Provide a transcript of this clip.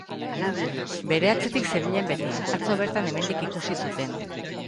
Bere atzetik zebilen beti, atzo bertan hemendik ikusi zuten.